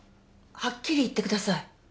はっきり言ってください。